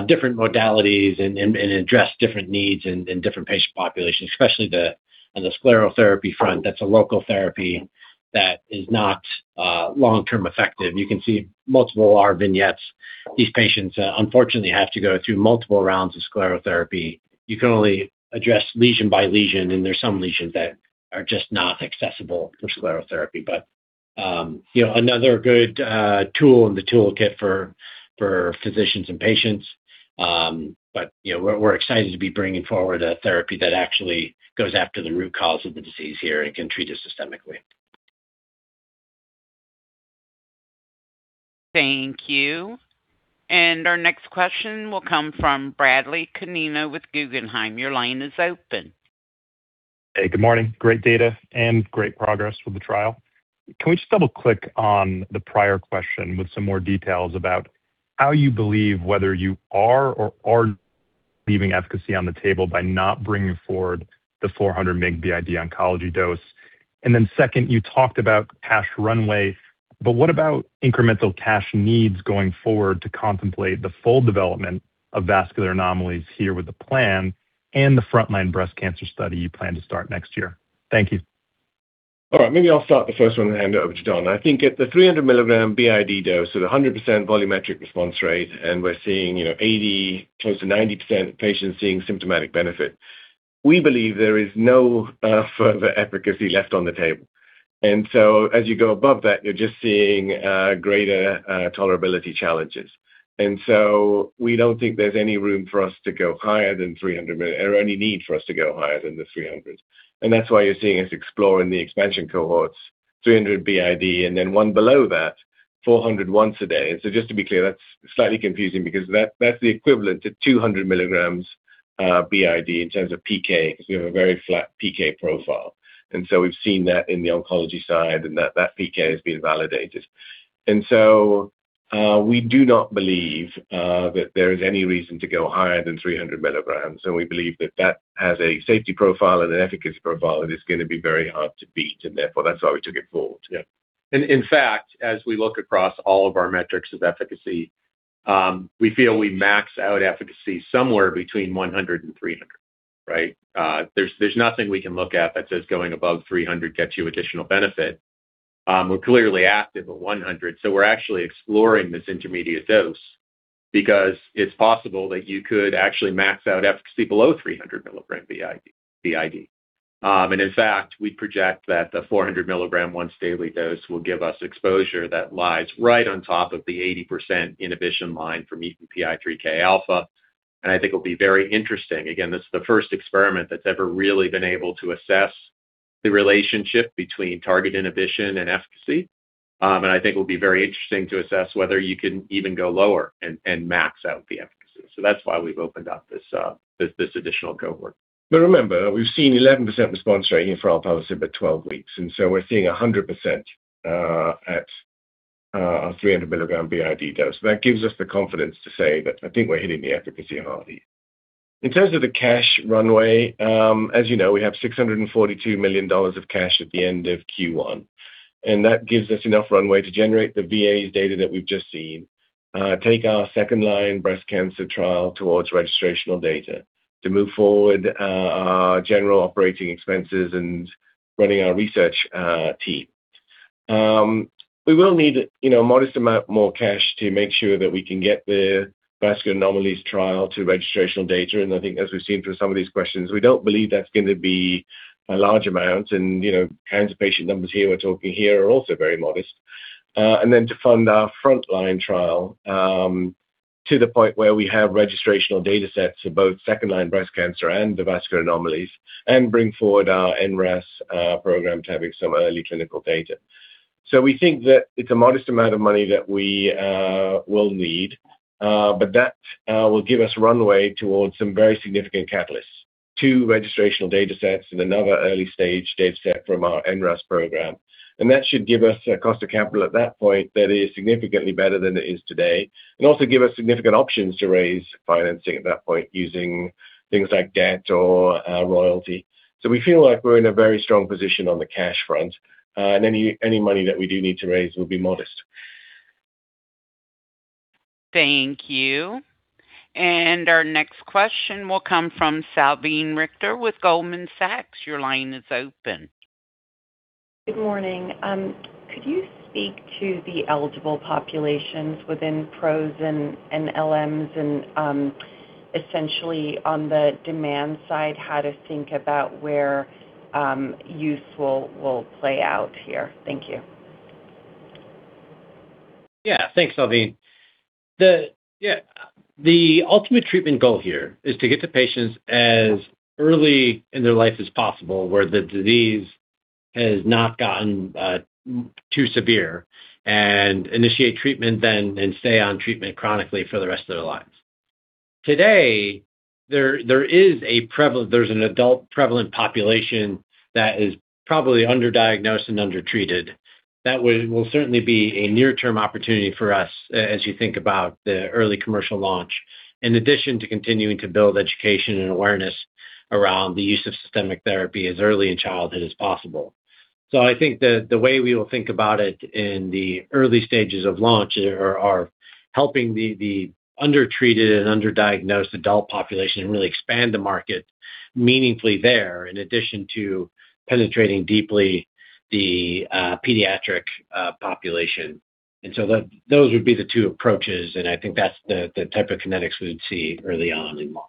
different modalities and address different needs in different patient populations, especially the, on the sclerotherapy front. That's a local therapy that is not long-term effective. You can see multiple of our vignettes. These patients unfortunately have to go through multiple rounds of sclerotherapy. You can only address lesion by lesion, and there are some lesions that are just not accessible for sclerotherapy. You know, another good tool in the toolkit for physicians and patients. You know, we're excited to be bringing forward a therapy that actually goes after the root cause of the disease here and can treat it systemically. Thank you. Our next question will come from Bradley Canino with Guggenheim. Your line is open. Hey, good morning. Great data and great progress with the trial. Can we just double-click on the prior question with some more details about how you believe whether you are or are leaving efficacy on the table by not bringing forward the 400 mg BID oncology dose? Second, you talked about cash runway, but what about incremental cash needs going forward to contemplate the full development of vascular anomalies here with the plan and the frontline breast cancer study you plan to start next year? Thank you. All right. Maybe I'll start the first one and hand it over to Don. I think at the 300 mg BID dose, at a 100% volumetric response rate, we're seeing, you know, 80%, close to 90% of patients seeing symptomatic benefit. We believe there is no further efficacy left on the table. As you go above that, you're just seeing greater tolerability challenges. We don't think there's any room for us to go higher than 300 mg or any need for us to go higher than the 300 mg. That's why you're seeing us explore in the expansion cohorts, 300 mg BID, and then one below that, 400 mg once a day. Just to be clear, that's slightly confusing because that's the equivalent to 200 mg, BID in terms of PK, because we have a very flat PK profile. We've seen that in the oncology side, and that PK has been validated. We do not believe that there is any reason to go higher than 300 mg, and we believe that that has a safety profile and an efficacy profile that is gonna be very hard to beat. Therefore, that's why we took it forward. Yeah. In fact, as we look across all of our metrics of efficacy, we feel we max out efficacy somewhere between 100 mg and 300 mg, right? There's nothing we can look at that says going above 300 mg gets you additional benefit. We're clearly active at 100 mg, so we're actually exploring this intermediate dose because it's possible that you could actually max out efficacy below 300 mg BID. In fact, we project that the 400 mg once daily dose will give us exposure that lies right on top of the 80% inhibition line for mutant PI3Kα. I think it'll be very interesting. Again, this is the first experiment that's ever really been able to assess the relationship between target inhibition and efficacy. I think it will be very interesting to assess whether you can even go lower and max out the efficacy. That's why we've opened up this additional cohort. Remember, we've seen 11% response rate in zovegalisib at 12 weeks, we're seeing 100% at a 300 mg BID dose. That gives us the confidence to say that I think we're hitting the efficacy hard here. In terms of the cash runway, as you know, we have $642 million of cash at the end of Q1, that gives us enough runway to generate the VAs data that we've just seen, take our second line breast cancer trial towards registrational data, to move forward our general operating expenses and running our research team. We will need, you know, a modest amount more cash to make sure that we can get the vascular anomalies trial to registrational data. I think as we've seen through some of these questions, we don't believe that's gonna be a large amount. To fund our frontline trial, to the point where we have registrational datasets of both second-line breast cancer and the vascular anomalies and bring forward our NRAS program to having some early clinical data. We think that it's a modest amount of money that we will need, that will give us runway towards some very significant catalysts. Two registrational datasets and another early-stage dataset from our NRAS program. That should give us a cost of capital at that point that is significantly better than it is today and also give us significant options to raise financing at that point using things like debt or royalty. We feel like we're in a very strong position on the cash front, and any money that we do need to raise will be modest. Thank you. Our next question will come from Salveen Richter with Goldman Sachs. Your line is open. Good morning. Could you speak to the eligible populations within PROS and LMs and, essentially on the demand side, how to think about where use will play out here? Thank you. Thanks, Salveen. The ultimate treatment goal here is to get to patients as early in their life as possible, where the disease has not gotten too severe and initiate treatment then and stay on treatment chronically for the rest of their lives. Today, there's an adult prevalent population that is probably underdiagnosed and undertreated. That will certainly be a near-term opportunity for us as you think about the early commercial launch, in addition to continuing to build education and awareness around the use of systemic therapy as early in childhood as possible. I think the way we will think about it in the early stages of launch are helping the undertreated and underdiagnosed adult population and really expand the market meaningfully there, in addition to penetrating deeply the pediatric population. Those would be the two approaches, and I think that's the type of kinetics we would see early on in launch.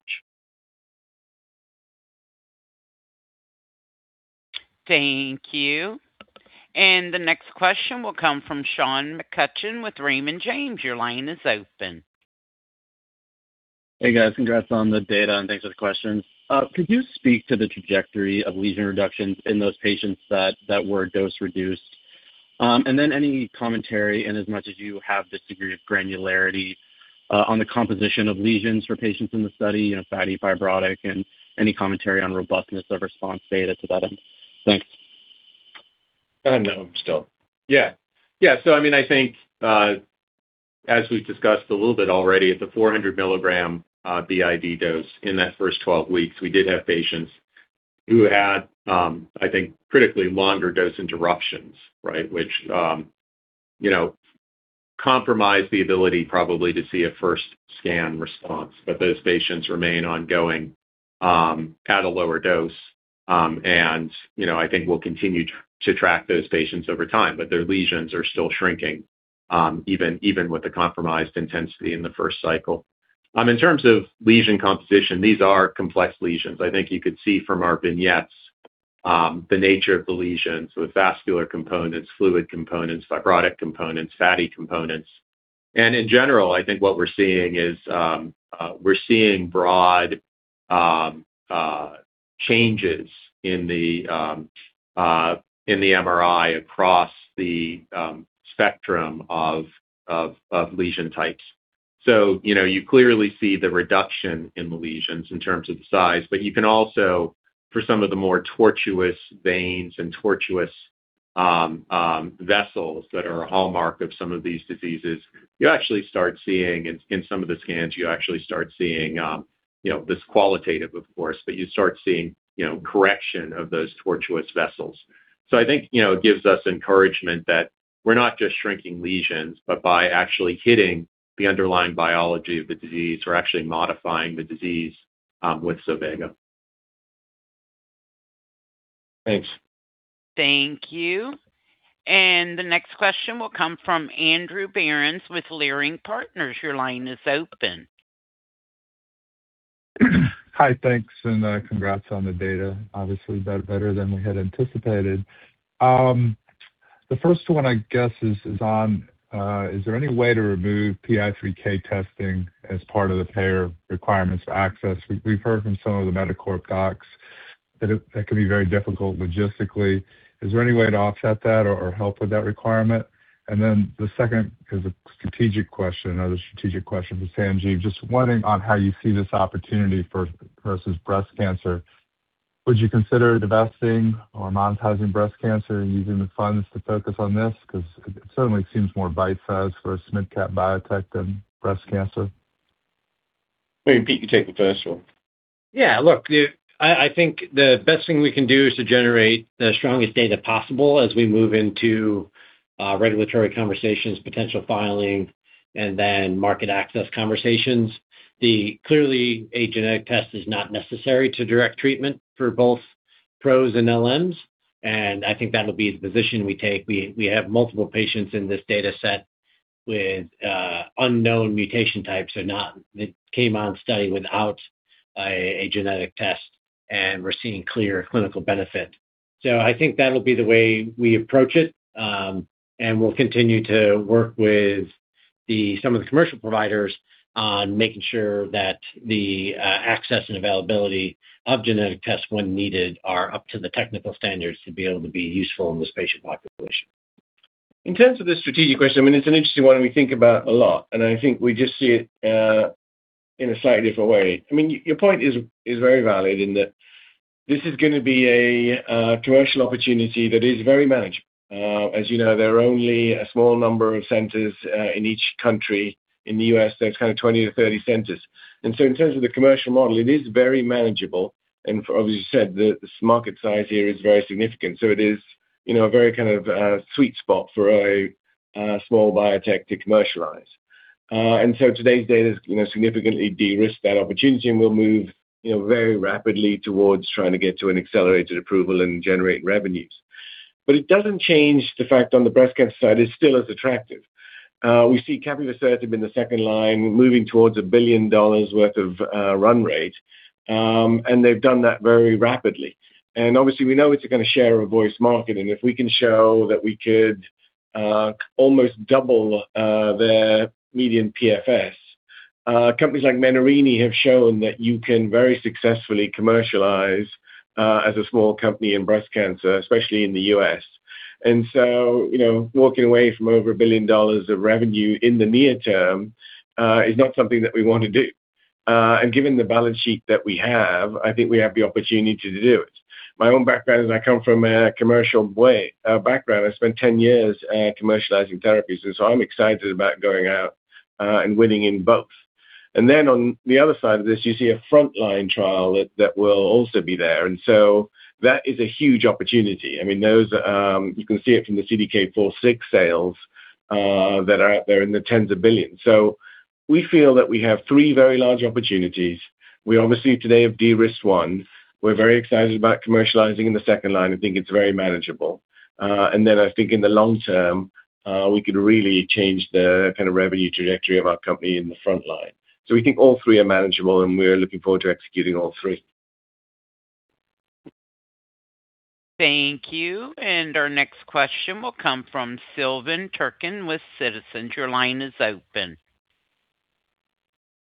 Thank you. The next question will come from Sean McCutcheon with Raymond James. Your line is open. Hey, guys. Congrats on the data, and thanks for the questions. Could you speak to the trajectory of lesion reductions in those patients that were dose-reduced? Any commentary, in as much as you have this degree of granularity, on the composition of lesions for patients in the study, you know, fatty, fibrotic, and any commentary on robustness of response data to that end? Thanks. I don't know. I mean, I think, as we've discussed a little bit already, at the 400 mg BID dose in that first 12 weeks, we did have patients who had, I think, critically longer dose interruptions, right? Which, you know, compromised the ability probably to see a first scan response. Those patients remain ongoing at a lower dose, and, you know, I think we'll continue to track those patients over time. Their lesions are still shrinking even with the compromised intensity in the first cycle. In terms of lesion composition, these are complex lesions. I think you could see from our vignettes, the nature of the lesions with vascular components, fluid components, fibrotic components, fatty components. In general, I think what we're seeing is, we're seeing broad changes in the MRI across the spectrum of lesion types. You know, you clearly see the reduction in the lesions in terms of the size, but you can also, for some of the more tortuous veins and tortuous vessels that are a hallmark of some of these diseases, in some of the scans, you actually start seeing, you know, this qualitative, of course, but you start seeing, you know, correction of those tortuous vessels. I think, you know, it gives us encouragement that we're not just shrinking lesions, but by actually hitting the underlying biology of the disease, we're actually modifying the disease with zovegalisib. Thanks. Thank you. The next question will come from Andrew Berens with Leerink Partners. Your line is open. Hi. Thanks, and congrats on the data. Obviously, better than we had anticipated. The first one I guess is on, is there any way to remove PI3K testing as part of the payer requirements to access? We've heard from some of the MedOnc docs that can be very difficult logistically. Is there any way to offset that or help with that requirement? The second is a strategic question, another strategic question for Sanjiv. Just wondering on how you see this opportunity versus breast cancer. Would you consider divesting or monetizing breast cancer and using the funds to focus on this? Because it certainly seems more bite-sized for a mid-cap biotech than breast cancer. Maybe Pete can take the first one. Yeah. Look, I think the best thing we can do is to generate the strongest data possible as we move into regulatory conversations, potential filing, market access conversations. Clearly, a genetic test is not necessary to direct treatment for both PROS and LMs. I think that'll be the position we take. We have multiple patients in this dataset with unknown mutation types or not. They came on study without a genetic test, we're seeing clear clinical benefit. I think that'll be the way we approach it. We'll continue to work with some of the commercial providers on making sure that the access and availability of genetic tests when needed are up to the technical standards to be able to be useful in this patient population. In terms of the strategic question, I mean, it's an interesting one, and we think about a lot, and I think we just see it in a slightly different way. I mean, your point is very valid in that this is gonna be a commercial opportunity that is very manageable. As you know, there are only a small number of centers in each country. In the U.S., there's kind of 20 centers-30 centers. In terms of the commercial model, it is very manageable. For obviously you said, the market size here is very significant, so it is, you know, a very kind of sweet spot for a small biotech to commercialize. Today's data is, you know, significantly de-risked that opportunity, and we'll move, you know, very rapidly towards trying to get to an accelerated approval and generate revenues. It doesn't change the fact on the breast cancer side, it's still as attractive. We see capivasertib in the second line moving towards a billion dollars worth of run rate, and they've done that very rapidly. Obviously, we know it's a gonna share of voice marketing. If we can show that we could almost double their median PFS, companies like Menarini have shown that you can very successfully commercialize as a small company in breast cancer, especially in the U.S. You know, walking away from over a billion dollars of revenue in the near term is not something that we want to do. Given the balance sheet that we have, I think we have the opportunity to do it. My own background is I come from a commercial way background. I spent 10 years commercializing therapies, I'm excited about going out and winning in both. On the other side of this, you see a frontline trial that will also be there. That is a huge opportunity. I mean, those, you can see it from the CDK4/6 sales that are out there in the tens of billions. We feel that we have three very large opportunities. We obviously today have de-risked one. We're very excited about commercializing in the second line and think it's very manageable. I think in the long term, we could really change the kind of revenue trajectory of our company in the frontline. We think all three are manageable, and we're looking forward to executing all three. Thank you. Our next question will come from Silvan Türkcan with Citizens. Your line is open.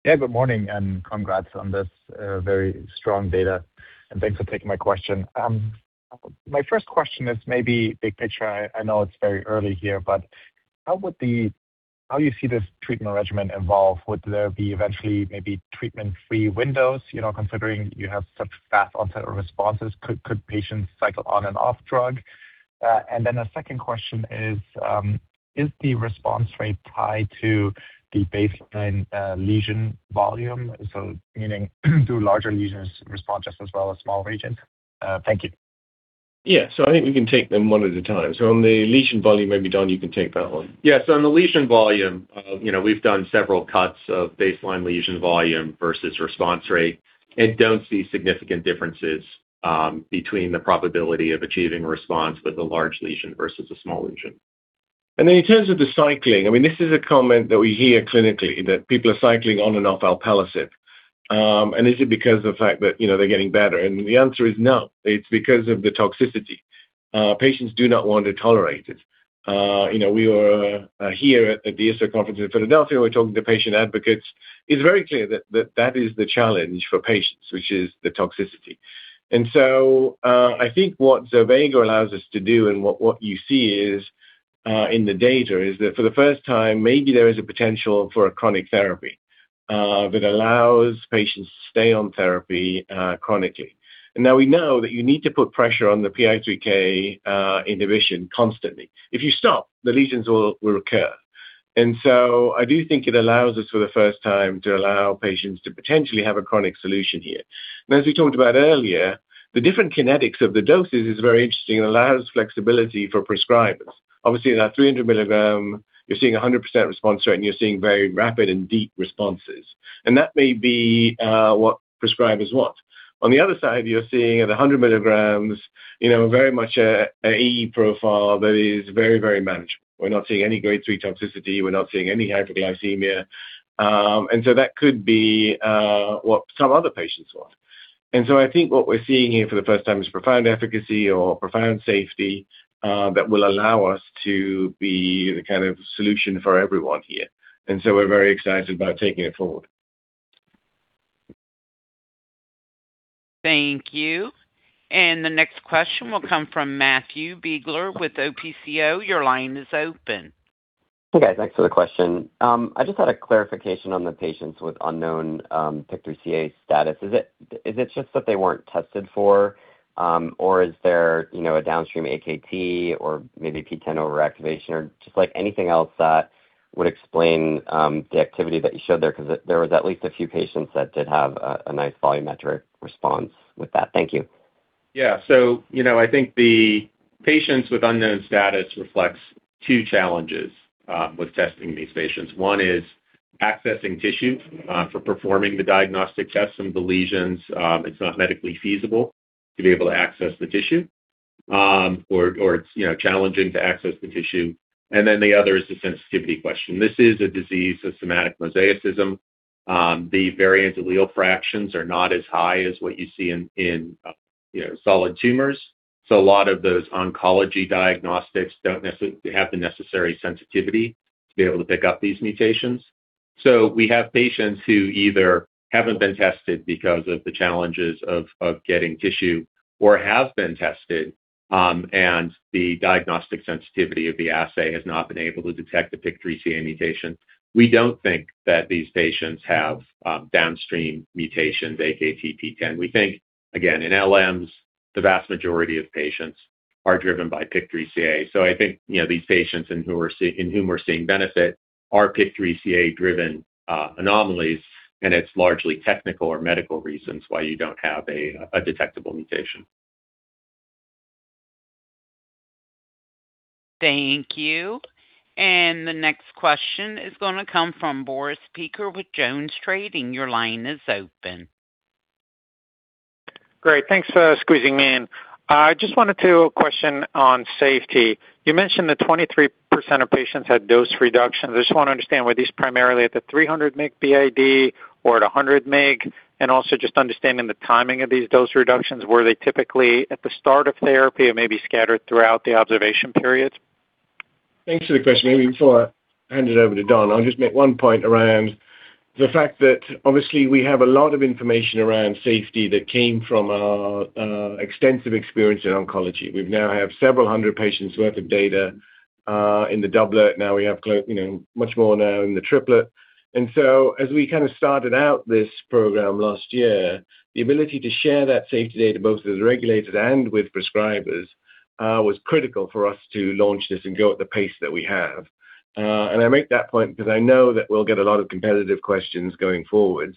Good morning, and congrats on this very strong data, and thanks for taking my question. My first question is maybe big picture. I know it's very early here, but how you see this treatment regimen evolve? Would there be eventually maybe treatment-free windows? You know, considering you have such fast onset of responses, could patients cycle on and off drug? A second question is the response rate tied to the baseline lesion volume? Meaning, do larger lesions respond just as well as small lesions? Thank you. Yeah. I think we can take them one at a time. On the lesion volume, maybe, Don, you can take that one. Yeah. On the lesion volume, you know, we've done several cuts of baseline lesion volume versus response rate and don't see significant differences between the probability of achieving a response with a large lesion versus a small lesion. In terms of the cycling, I mean, this is a comment that we hear clinically, that people are cycling on and off alpelisib. Is it because of the fact that, you know, they're getting better? The answer is no. It's because of the toxicity. Patients do not want to tolerate it. You know, we were here at the ESA Conference in Philadelphia. We're talking to patient advocates. It's very clear that that is the challenge for patients, which is the toxicity. I think what zovegalisib allows us to do and what you see is in the data is that for the first time, maybe there is a potential for a chronic therapy that allows patients to stay on therapy chronically. We know that you need to put pressure on the PI3K inhibition constantly. If you stop, the lesions will recur. I do think it allows us for the first time to allow patients to potentially have a chronic solution here. As we talked about earlier, the different kinetics of the doses is very interesting. It allows flexibility for prescribers. Obviously, in that 300 mg, you're seeing a 100% response rate, and you're seeing very rapid and deep responses. That may be what prescribers want. On the other side, you're seeing at 100 mg, you know, very much a AE profile that is very manageable. We're not seeing any Grade 3 toxicity. We're not seeing any hyperglycemia. That could be what some other patients want. I think what we're seeing here for the first time is profound efficacy or profound safety that will allow us to be the kind of solution for everyone here. We're very excited about taking it forward. Thank you. The next question will come from Matthew Biegler with OPCO. Your line is open. Hey, guys. Thanks for the question. I just had a clarification on the patients with unknown PIK3CA status. Is it just that they weren't tested for, or is there, you know, a downstream AKT or maybe PTEN overactivation or just like anything else that would explain the activity that you showed there? There was at least a few patients that did have a nice volumetric response with that. Thank you. Yeah. You know, I think the patients with unknown status reflects two challenges with testing these patients. One is accessing tissue for performing the diagnostic tests. Some of the lesions, it's not medically feasible to be able to access the tissue, or it's, you know, challenging to access the tissue. The other is the sensitivity question. This is a disease of somatic mosaicism. The variant allele fractions are not as high as what you see in, you know, solid tumors. A lot of those oncology diagnostics don't have the necessary sensitivity to be able to pick up these mutations. We have patients who either haven't been tested because of the challenges of getting tissue or have been tested, and the diagnostic sensitivity of the assay has not been able to detect the PIK3CA mutation. We don't think that these patients have downstream mutations, AKT/PTEN. We think, again, in LMs, the vast majority of patients are driven by PIK3CA. I think, you know, these patients in whom we're seeing benefit are PIK3CA-driven anomalies, and it's largely technical or medical reasons why you don't have a detectable mutation. Thank you. The next question is gonna come from Boris Peaker with JonesTrading. Your line is open. Great. Thanks for squeezing me in. Just wanted to question on safety. You mentioned that 23% of patients had dose reductions. I just want to understand, were these primarily at the 300 mg BID or at 100 mg? Also just understanding the timing of these dose reductions, were they typically at the start of therapy or maybe scattered throughout the observation periods? Thanks for the question. Maybe before I hand it over to Don, I'll just make one point around the fact that obviously we have a lot of information around safety that came from our extensive experience in oncology. We now have several hundred patients' worth of data in the doublet. We have you know, much more now in the triplet. As we kind of started out this program last year, the ability to share that safety data both with regulators and with prescribers was critical for us to launch this and go at the pace that we have. I make that point because I know that we'll get a lot of competitive questions going forward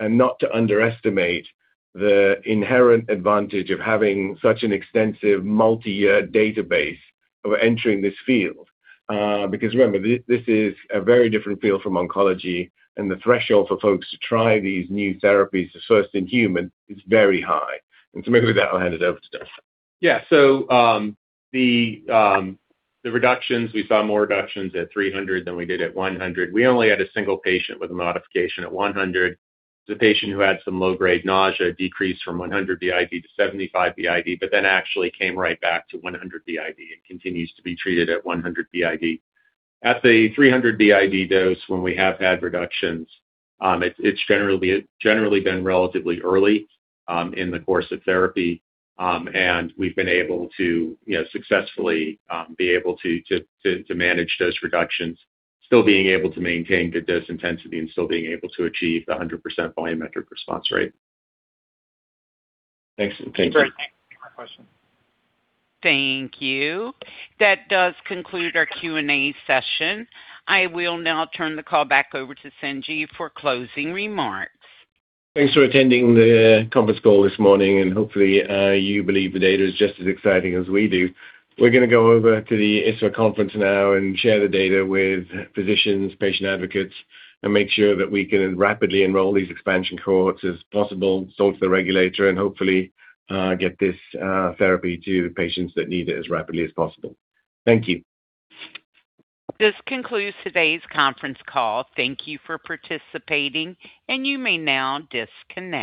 and not to underestimate the inherent advantage of having such an extensive multi-year database of entering this field. Because remember, this is a very different field from oncology, the threshold for folks to try these new therapies, the first in human, is very high. Maybe with that, I'll hand it over to Don. Yeah. The reductions, we saw more reductions at 300 mg than we did at 100 mg. We only had a single patient with a modification at 100 mg. The patient who had some low-grade nausea decreased from 100 mg BID to 75 mg BID, actually came right back to 100 mg BID and continues to be treated at 100 mg BID. At the 300 mg BID dose when we have had reductions, it's generally been relatively early in the course of therapy. We've been able to, you know, successfully be able to manage those reductions, still being able to maintain good dose intensity and still being able to achieve the 100% volumetric response rate. Thanks. Great. Thanks for taking my question. Thank you. That does conclude our Q&A session. I will now turn the call back over to Sanjiv for closing remarks. Thanks for attending the conference call this morning, and hopefully, you believe the data is just as exciting as we do. We're gonna go over to the ISSVA Conference now and share the data with physicians, patient advocates, and make sure that we can rapidly enroll these expansion cohorts as possible, talk to the regulator and hopefully, get this therapy to patients that need it as rapidly as possible. Thank you. This concludes today's conference call. Thank you for participating, and you may now disconnect.